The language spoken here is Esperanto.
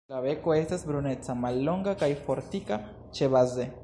La beko estas bruneca, mallonga kaj fortika ĉebaze.